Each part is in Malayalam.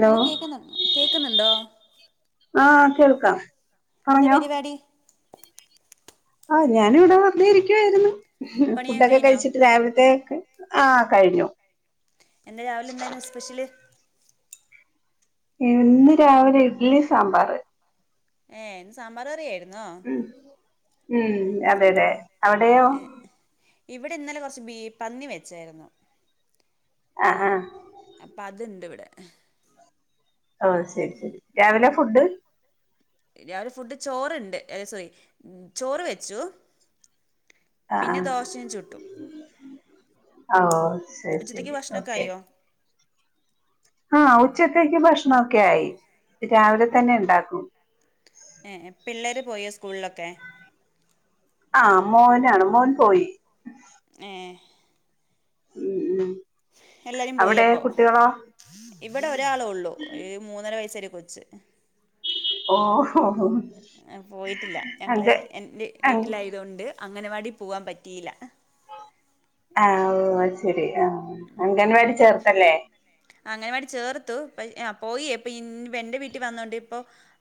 ഹലോ കേക്കുന്നു കേക്കുന്നുണ്ടോ ആഹ് കേൾക്കാം എന്താ പരിപാടി ആ ഞാന് ഇവിടെ വെറുതെ ഇരിക്കുവായിരുന്നു പണിയൊക്കെ ഫുഡൊക്കെ കഴിഞ്ഞോ കഴിച്ചിട്ട് രാവിലത്തെ ഒക്കെ ആ കഴിഞ്ഞു ഇന്ന് രാവിലെ എന്തായിരുന്നു സ്പെഷ്യല് ഇന്ന് രാവിലെ ഇഡ്ലി സാമ്പാറ് ഏ സാമ്പാറ് കറി ആയിരുന്നു ഉം ഉം അതെതെ അവിടെയോ ഇവിടെ ഇന്നലെ കുറച്ച് ബീ പന്നി വെച്ചായിരുന്നു ആ ആ അപ്പൊ അതുണ്ട് ഇവിടെ ഓ ശരി ശരി രാവിലെ ഫുഡ് രാവിലെ ഫുഡ് ചോറുണ്ട് സോറി ചോറ് വെച്ചു ആഹ് പിന്നെ ദോശയും ചുട്ടും ഓ ശരി ശരി ഭക്ഷണമൊക്കെ ഓക്കെ ആയോ ആ ഉച്ചത്തേക്ക് ഭക്ഷണൊക്കെ ആയി രാവിലെ തന്നെ ഇണ്ടാക്കും പോയി സ്കൂളിലൊക്കേ ആ മോനാണ് മോൻ പോയി ഏ ഉം ഉം എല്ലാരും പോയി അവിടെ അപ്പോ കുട്ടികളോ ഇവിടെ ഒരാളേ ഉള്ളൂ മൂന്നര വയസായി കൊച്ച് ഓ പോയിട്ടില്ല ഞങ്ങള് അതെ എൻ്റെ വീട്ടിലായതൊണ്ട് അഗംനവാടി പോവാൻ പറ്റിയില്ല ആ ഓ അ ശരി ആ അംഗൻവാടി ചേർത്തല്ലേ അംഗനവാടി ചേർത്തു പോയി എന്റെ വീട്ടിൽ വന്നൊണ്ട് ഇപ്പോ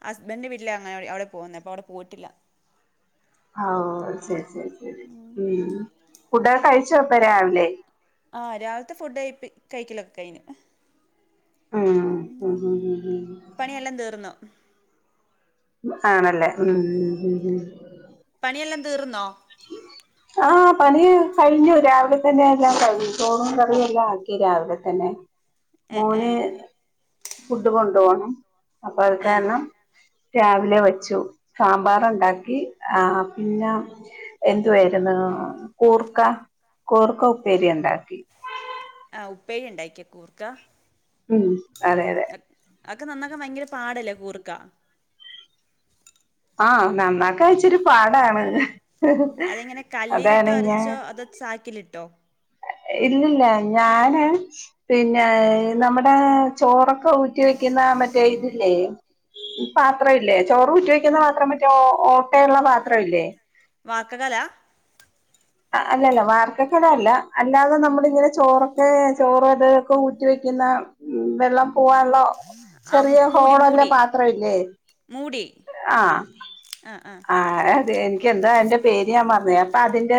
ഹസ്ബൻന്റെ വീട്ടില് അങ്ങനെ അവിടെ പോകുന്നത് അപ്പം അവി പോയിട്ടില്ല ആ ശരി ശരി ഉം ഫുഡൊക്കെ കഴിച്ചോപ്പം രാവിലെ ആ രാവിലത്തെ ഫുഡ് കഴിപ്പ കഴിക്കലൊക്കെ കയിഞ്ഞു ആ ഹ ഹ ഹ പണിയെല്ലാം തീർന്നു ആണല്ലേ ഉം ഉം ഉം പണിയെല്ലാം തീർന്നോ ആ പണി കഴിഞ്ഞു രാവിലെ തന്നെ എല്ലാം കഴിഞ്ഞു ചോറും കറിയും എല്ലാം ആക്കി രാവിലെ തന്നെ ഏ ഏ മോന് ഫുഡ് കൊണ്ടു പോണം അപ്പൊ അത് ഏ കാരണം രാവിലെ വെച്ചു സാമ്പാറ് ഉണ്ടാക്കി ആ പിന്നെ എന്തുവായിരുന്നു കൂർക്ക കൂർക്ക ഉപ്പേരി ഉണ്ടാക്കി ആ ഉപ്പേരി ഉണ്ടായിക്കാ കൂർക്ക ഉം അതെ അതെ അതൊക്കെ നന്നാക്കാൻ ഭയങ്കര പാടല്ലേ കൂർക്കാ ആ നന്നാക്കാ ഇച്ചിരെ പാടാണ് അതെങ്ങനെ കല്ലിലിട്ടോ അതാണ് ഞാൻ ഉരച്ചോ അതോ ചാക്കിലിട്ടോ ഇല്ലില്ല ഞാന് പിന്നെ നമ്മുടെ ചോറൊ ഊറ്റി വെക്കുന്നാ മറ്റേ ഇതില്ലേ പാത്രം ഇല്ലേ ചോറ് ഊറ്റി വെക്കുന്ന പാത്രം മറ്റേ ഓട്ടയുള്ള പാത്രം ഇല്ലേ വാക്ക് കല അല്ലല്ല വാർക്ക കലമല്ല അല്ലാതെ നമ്മൾ ഇങ്ങനെ ചോറൊക്കെ ചോറ് അതൊക്കെ ഊറ്റി വയ്ക്കില്ലേ വെള്ളം പോകാനുള്ള ആ ചെറിയ മൂടി ഹോൾ ഉള്ള മൂടി പാത്രം ഇല്ലേ മൂടി ആ ആഹ് ആഹ് ആ എനിക്ക് എന്ത അയ്ന്റെ പേര്ഞാമറന്നോയ് പ്പ അതിന്റെ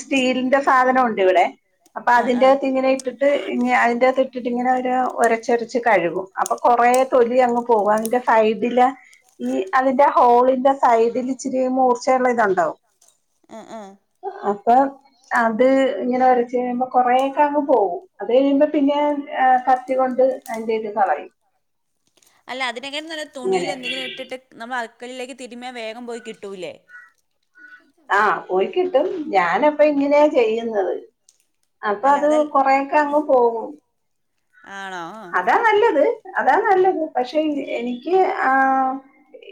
സ്റ്റീലിന്റെ സാധനമുണ്ട് ഇവിടെ അപ്പൊ ആഹ് ആഹ് അതിന്റെകത്ത് ഇങ്ങനെ ഇട്ടിട്ട് അതിന്റക് ഇട്ടിട്ട് ഇങ്ങനെ ഒരച്ചൊരച്ചു കഴുകും കുറെ തൊലി അങ്ങ് പോകും അപ്പോൾ അതിന്റെ സൈഡിലെ ഈ അതിന്റെ ഹോളിന്റെ സൈഡിൽ ഇച്ചിരി മൂർച്ചയുള്ള ഇതുണ്ടാവും ആ ആഹ അപ്പൊ അത് ഇങ്ങനെ ഒരച്ചു കഴിയുമ്പോ കൊറേക്കെ അങ്ങ് പോകും അത് കഴിയുമ്പോ പിന്നെ കത്തി കൊണ്ട് അതിന്റെ ഇത് കളയും അല്ല അതിനേക്കാളും നല്ലത് തുണിയിൽ ഇങ്ങനെ എന്തെങ്കിലും ഇട്ടിട്ട് നമ്മൾ മുകളിലേക്ക് തിരുമ്മിയാൽ വേഗം പോയി കിട്ടില്ലേ? ആ പോയി കിട്ടും ഞാനപ്പൊ ഇങ്ങനെയാ ചെയ്യുന്നത് അപ്പൊ അല്ല അത് അതൽ കൊറെയൊക്കെ അങ്ങ് പോകും. ആണോ അതാ നല്ലത് അതാ നല്ലത് പക്ഷെ എനിക്ക് ആ-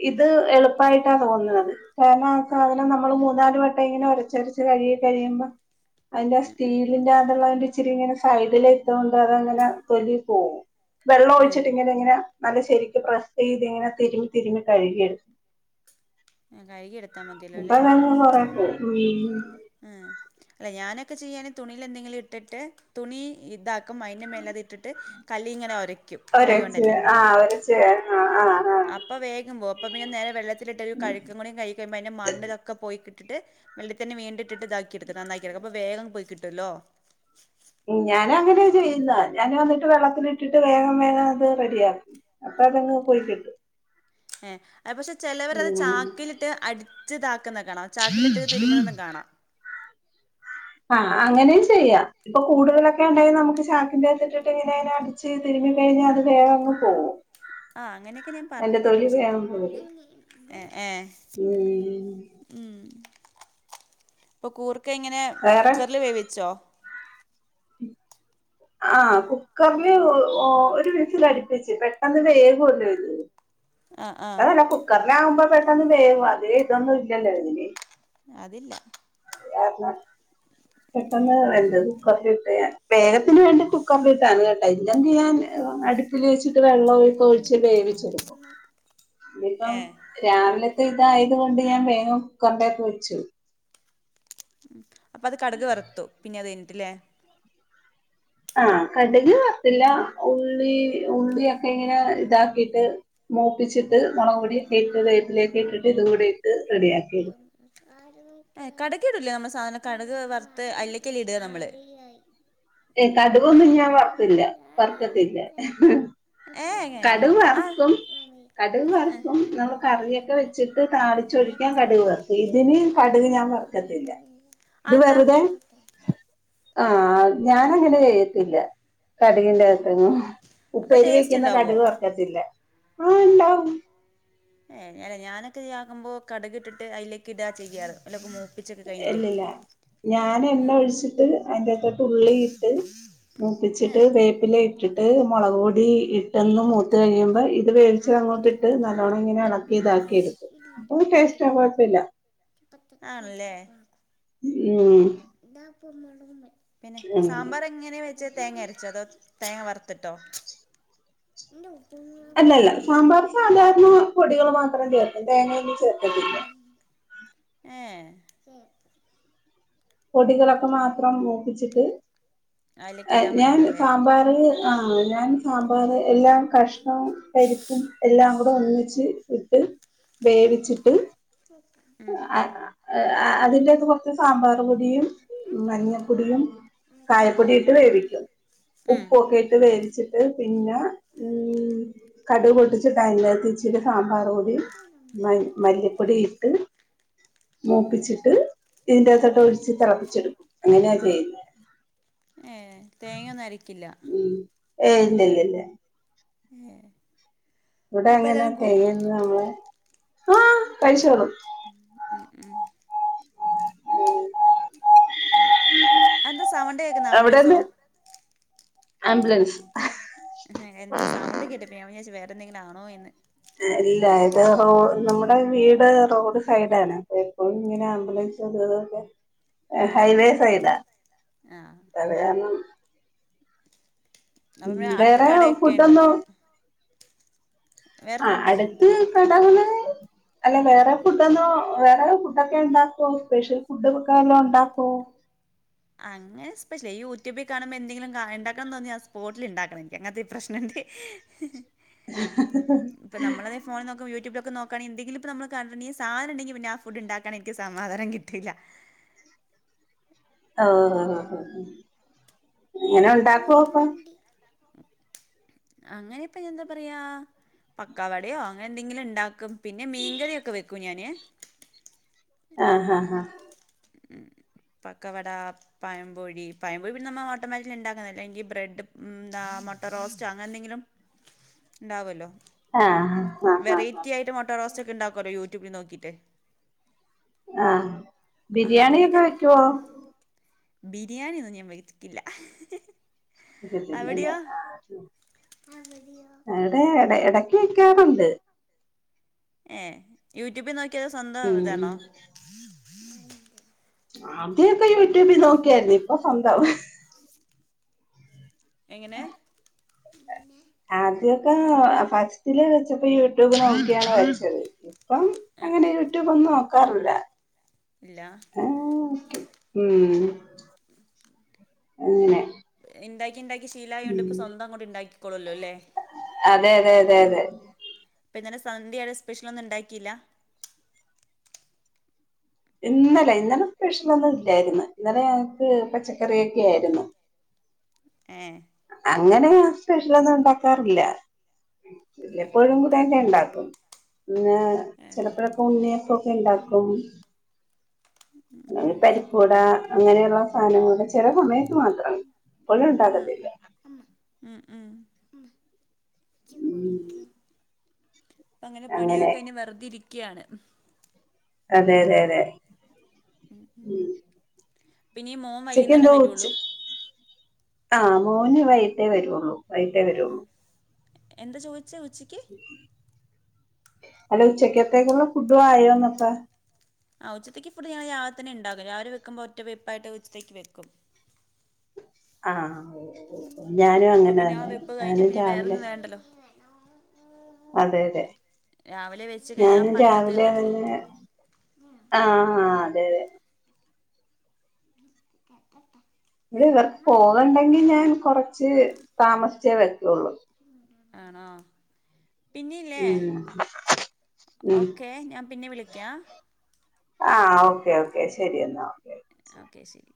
ഇത് എളുപ്പായിട്ടാ തോന്ന്ണത് കാരണം ആ സാധനം നമ്മൾ മൂന്നാല് വട്ടം ഇങ്ങനെ ഒരച്ചുരച്ച് കഴ കഴുകി കഴിയുമ്പോൾ അതിന്റെ ഉം ഉം സ്റ്റീലിന്റെ അതുള്ള അതിന്റെ ഇച്ചിരി ഇങ്ങനെ സൈഡിലത്തെ അതുകൊണ്ട് അതിന്റെ ഇങ്ങനെ തൊലി പോകും വെള്ളം ഉം ഒഴിച്ചിട്ട് ഇങ്ങനെ എങ്ങനാ? നല്ല ശരിക്ക് പ്രസ് ചെയ്തു ഇതിങ്ങനെ തിരുമി തിരുമി കഴുകിയെടുത്തു. ആ കഴുകി എടുത്താൽ മതിയല്ലോ അപ്പോ അല്ലേ അതങ്ങ് കൊറെ പോകും ഉം അല്ല ഞാനൊക്കെ ചെയ്യാന് തുണിൽ എന്തെങ്കിലും ഇട്ടിട്ട് തുണി ഇതാക്കും അതിന്റെ മേല്ലത്ട്ടിട്ട് കല്ലിൽ ഇങ്ങനെ ഉരയ്ക്കും ഒരച്ചു ആഹ് ഒരച്ചു അപ്പൊ വേഗംപോം അപ്പൊ പിന്നെ നേരെ വെള്ളത്തിലിട്ടൊരു കഴുകം കൂടി കഴുകി കഴിഞ്ഞാൽ അതിന്റെ മണ്ണും ഇതൊക്കെ പോയി കിട്ടും ഇട്ടിട്ട് വെള്ളത്തിൽ വീണ്ടും ഇട്ടിട്ട് ഇതാക്കിടുക്കും നന്നാക്കി എടുക്കാം അപ്പൊ വേഗം പോയി കിട്ടുമല്ലോ ഞാനും അങ്ങനെയാ ചെയ്യുന്നത് ഞാനും വെള്ളത്തിൽ ഇട്ടിട്ട് വേഗം വേഗം അത് റെഡിയാക്കും അപ്പ അതങ്ങ് പോയിക്കട്ടും ആ പക്ഷേ ചെലവരത് ചാക്കിലിട്ട് അടിച്ച് ഇതാക്കുന്നത് കാണാം ചാക്കിൽ ഇട്ട് തിരുമ്മുന്നത് കാണാം ആ അങ്ങനെം ചെയ്യാം ഇപ്പ കൂടുതലൊക്കെണ്ടെ നമുക്ക് ചാക്കിന്റത്തിട്ടിട്ട് ഇങ്ങനെ അടിച്ചടിച്ച് അത് കഴിഞ്ഞാൽ അത് വേഗം അങ്ങ് പോകും അങ്ങനെയൊക്കെ ഞാൻ പറഞ്ഞു കേട്ടിരിക്കുന്നു വേഗം പോരും ഏ [inaudible] ഉം [unintelligible] ഒക്കെ ഇങ്ങനെ വേറെ കുക്കറിൽ വേവിച്ചോ? ആ കുക്കറിൽ ഒ ഒരു വിസിൽ അടിപ്പിച്ചു. പെട്ടെന്ന് വേവും ഇത് ആഹ് ആഹ് അല്ല കുക്കറിൽ ആകുമ്പോൾ അത് പെട്ടെന്ന് വേവും അത്രെ ഇതൊന്നുമില്ലല്ലോ ഇതിന് അതില്ല പെട്ടെന്ന് വെന്താത് പേ [unintelligible] അതിനുവേണ്ടി കുക്കറിൽ ഇട്ടതാണ് കേട്ടോ അല്ലെങ്കിൽ ഞാൻ അടുപ്പിൽ വച്ച് വെള്ളം ഒക്കെ ഒഴിച്ച് വേവിച്ച് എടുക്കും ഇത് ഇപ്പോൾ ഏഹ് രാവിലത്തെ ഇത് ആയതുകൊണ്ട് ഞാൻ വേഗം കുക്കറിൽ വച്ചു അപ്പോ അത് കടുക് വറുത്തു പിന്ന അത് കഴിഞ്ഞിട്ട് ഇല്ലേ ആ കടുക് വറുത്തില്ല ഉള്ളി ഉള്ളിയൊക്കെ ഇങ്ങനെ ഇതാക്കിയിട്ട് മൂപ്പിച്ചിട്ട് മുളകുപൊടിക്കട്ട് ഇതാക്കിയിട്ട് വേപ്പിലയൊക്കെ ഇട്ട് ഇതാക്കിയിട്ട് കടുക് ഇടൂലേ നമ്മൾ സാധാരണ കടക് വറുത്ത് അതിലേക്കല്ലേ ഇടുക നമ്മൾ എക്കാലൊന്നും ഞാൻ വറക്കില്ല വർക്കത്തില്ല ഏ കടുക് ആ വറുക്കും കടുക് വറുക്കും നമ്മൾ കറിയൊക്കെ വെച്ചിട്ട് താളിച്ചൊഴിക്കാൻ കടുക് വറുക്കും ഇതിന് കടു ഞാൻ വറുക്കതില്ലാ ആ ഇത് എന്താ വെറുതെ ആ ഞൻ അങ്ങനെ ചെയ്യത്തില്ല കടുകിൻ്റെ [unintelligible] അപ്പൊ ഉപ്പേരി ടേസ്റ്റ് വെക്കുന്ന ഉണ്ടാവോ കടുക് വർക്കത്തില്ലെ ആഹ് ഇണ്ടാവും [unintelligible] ഞാൻ ഇതാക്ക് മ്പോൾ കട്ക് ഇട്ടിട്ട് അയിലേക്ക് ഇടാ ചെയ്യാറ് മൂപ്പിച്ചൊക്കെ കഴിഞ്ഞിട്ടേ ഇല്ലില്ല ഞൻ ഏ എണ്ണ ഒഴിച്ചിട്ട് അതിന്റത്തോട്ട് ഉള്ളി ഇട്ട് ഏ മൂപ്പിച്ചിട്ട് വേപ്പില ഇട്ടിട്ട് മുളക് പൊടി ഇട്ടെന്ന് മൂത്ത് കഴിയുമ്പോ ഇത് വേവിച്ചത് അങ്ങോട്ടിട്ട് നല്ലോണ്ണം ഇങ്ങനെ ഇളക്കി ഇതാക്കി എടുക്കും ടെസ്റ്റാ കുഴപ്പില്ല ആണല്ലേ ഉം [unintelligible] പിന്നെ സാമ്പാർ എങ്ങനെയാ വെച്ച തേങ്ങ അരച്ചോ അതോ തേങ്ങ വറുത്തിട്ടോ [inaudible] അല്ലല്ല സാമ്പാർ സാധാരണ പൊടികൾ മാത്രം ചേർക്കും തേങ്ങെന്നും ചേർ ഏഹ് പൊടികളൊക്കെ മാത്രം മൂപ്പിച്ചിട്ട് അതിലേക്ക് ഇട്ടാൽ ഞാൻ മതിയല്ലോ അല്ലേ സാമ്പാർ ആഹ് ഞാൻ സാമ്പാറ് എല്ലാം കഷ്ണവും പരിപ്പും എല്ലാം കൂടെ ഒന്നിച്ച് ഇട്ട് വേവിച്ചിട്ട് ഉം അ അ അതിന്റകത് കുറച്ച് സാമ്പാർ പൊടിയും മഞ്ഞപ്പൊടിയും കായപ്പൊടിയിട്ട് വേവിക്കും ഉം ഉപ്പൊക്കെ ഇട്ട് വേവിച്ചിട്ട് പിന്നെ ഉം കടു പൊട്ടിച്ചിട്ട് അതിലകത് ഇച്ചരി സാമ്പാർ പൊടി മ മല്ലിപ്പൊടി ഇട്ട് മൂപ്പിച്ചിട്ട് ഇതിന്റെകതൊട്ട് തിളപ്പിച്ചെടുക്കും അങ്ങനെയാ ചെയ്യുന്നെ ഏ തേങ്ങെന്നും അരക്കില്ല ഏഹ് ല്ലില്ലില്ല ഉം ഇവിടെ എങ്ങനെയ തേങ്ങെന്നും നമ്മള് ആ കഴിച്ചോളും ഉം ഉം അല്ല അതെന്താ സവൺണ്ട് കേക്കുന്നെ ആംബുലൻസോ അവിടെന്ന് ആംബുലൻസ് എന്തോ സൗണ്ട്ക്കെട്ട്പ്പാ ഞാൻ വിചാരിച് വേറെ എന്തെങ്കിലും ആ ണോ എന്ന് ഇല്ല ഇത് റോ നമ്മുടെ വീട് റോഡ് സൈടാണ് എപ്പഴും ഇങ്ങനെ ആംബുലൻസ്തതൊക്കെ ആ ഓ ഹൈവേ സൈടാ ആ അത് കാരണം അപ്പൊ ഉം പിന്നെ അടുത്ത വേറെ കടയൊക്കെ ഉണ്ട് ഫുഡൊന്നോ വേറെ ആഹ് ഫുഡ് അടുത്ത് കടകള് [inaudible] അല്ല വേറെ ഫുഡ ഒന്നും വേറെ ഫുഡൊക്കെ ഉണ്ടാക്കോ സ്പെഷ്യൽ ഫുഡ് ഒക്കെ വല്ലോം ഉണ്ടാക്കുവോ അങ്ങെ സ്പെഷ്യല ഈ യൂട്യൂബിൽ കാണുമ്പോ എന്തെങ്കിലും ഉണ്ടാക്കാൻ തോന്നിയാ ആ സ്പോട്ടിൽ ഇണ്ടാക്കണം എനിക്ക് അങ്ങനത്തെ പ്രശ്നംണ്ട് ഇപ്പ നമ്മളാണെ ഫോണി നോക്കുമ്പോ യൂട്യൂബിൽ നോക്കണി എന്തെങ്കിലും ഇപ്പ നമ്മള് കണ്ടിട്ടുണ്ടേ സാധനം ഇണ്ടെങ്കിൽ പിന്നെ ആ ഫുഡ്ണ്ടാക്കൻ എനിക്ക് സമാധാനം കിട്ടില്ല [inaudible] ഓ ഇങ്ങനെ ഉണ്ടാക്കുവോപ്പം [inaudible] അങ്ങനെ ഇപ്പൊ എന്താ പറയാ പക്കവടയോ അങ്ങനെ എന്തെങ്കിലും ഇണ്ടാക്കും പിന്നെ മീങ്കറിയൊക്കെ വെക്കും ഞാന് ആഹ് ആഹ് ആഹ് പക്കവട പയംപൊഴി പയംപൊഴി പിന്നെ നമ്മ ഹോട്ടല് മാതിരി ഇണ്ടാക്കുന്നല്ലെങ്കിൽ ബ്രെഡ് എന്താ മുട്ട റോസ്റ്റ് അങ്ങനെ എന്തെങ്കിലും ഇണ്ടാകുവല്ലോ ആ ഹാ ഹാ ഹാ ഹാ വെറൈറ്റിയായിട്ട് മുട്ട റോസ്റ്റ് ക്കെ ഇണ്ടാക്കുവല്ലോ യൂട്യൂബിൽ നോക്കിട്ട് ആഹ ബിരിയാണിയൊക്കെ വെക്കുവോ ബിരിയാണിന്നും ഞാൻ വച്ചക്കില്ല. [unintelligible] എവിടെട ഇടക്ക് വയ്ക്കാറുണ്ട്. ഏ യൂട്യൂബിൽ നോക്കിയത് സ്വന്തം ഉം ഇതാണോ. ആദ്യൊക്കെ യൂട്യൂബിൽ നോക്കിയായിരുന്നു ഇപ്പൊ സ്വന്തം. എങ്ങനെ. ആദ്യക്കെ ഫസ്റ്റില്വെച്ചപ്പോ യൂട്യൂബ് നോക്കിയാണ് വെച്ചത്. അപ്പം ഏ അങ്ങനെ യൂട്യൂബ് ഒന്നും നോക്കാറില്ല. ഇല്ല ഏെ ഉം അങ്ങനെ എന്താക്കി ഇണ്ടാ ശീലായ കൊണ്ട് ഇപ്പോ ഉം സ്വന്തം അങ്ങോട്ട് ഇണ്ടാക്കിക്കോളല്ലോ അല്ലേ. അതെ അതെ അതെ അതെ ഇപ്പൊ ഇന്നലെ സന്ധ്യയുടെ സ്പെഷ്യൽ ഒന്നും ഉണ്ടാക്കിയില്ല? ഇന്നലെ ഇന്നലെ സ്പെഷ്യലൊന്നും ഇല്ലായിരുന്നു ഇന്നലെ ഞക്ക് പച്ചക്കറിയൊക്കെ ആയിരുന്നു. ഏ അങ്ങനെ സ്പെഷ്യലൊന്നും ഉണ്ടാക്കാറില്ല. എപ്പോഴും കൂടെ തന്നെ ഉണ്ടാക്കും. പിന്നെ. ഏ ചെിലപ്പോഴൊക്കെ ഉണ്ണിയപ്പോൊക്കെ ഉണ്ടാക്കും. പരിപ്പൂട അങ്ങനെയുള്ള സാധനങ്ങളൊക്കെ ചെറിയ സമയ മാത്രം. ഒള്ളെ ഉണ്ടാകതില്ല. ഉ ഉം അപ്പ അങ്ങനെ പണിയൊക്കെ കഴിഞ്ഞുവെറുതെ ഇരിക്കയാണ്. അതെ അതെ അതെ പിന്നെ മോൻ ഉച്ചക്ക് വൈകുന്നേരം വരുള്ളു. ആ മോന് വൈകിട്ടേ വരെള്ളു വെയ്കിട്ടേ വരുള്ളൂ. എന്താ ചോച്ചേ ഉച്ചിക്ക്. അല്ല ഉച്ചക്കത്തേക്കുള്ള ഫുഡ് ആയോപ്പ. ആ ഉച്ചക്ക് ഫുഡ് ഞാൻ രാവിലെ ന്നെ ഉണ്ടാുക്കും. രാവിലെ വെക്കുമ്പോ ഒറ്റ വെപ്പായിട്ട് ഉച്ചത്തേക്ക് വെക്കും. ആഹ. ഞാനും അപ്പൊ അങ്ങനെ പിന്നെ ആ തന്നെ വെപ്പ് കഴിഞ്ഞ ഞാനും പിന്നെ രാവിലെ, വേറൊന്നും വേണ്ടല്ലോ അതെ അതെ രാവിലെ വെച്ച് കഴിഞ്ഞാ ആ ഞാനും പണിയൊക്കെ തീർന്ന പി രാവിലെതെന്നെ. ആഹ ആ അതെതെ ഇവിടെ ഇവർക്ക് പോകണ്ടെങ്കി ഞാൻ കുറച്ച് താമസിച്ചേ വെക്കുള്ളൂ. ആണ്ടോ പിന്നീല്ലേ, ഉം ഓക്കെ ഞാൻ പിന്നെ വിളിക്കാം. ആഹ, ഓക്കെ ഓക്കെ ശരി എന്നാ ഓക്കെ. ഓക്കെ ശരി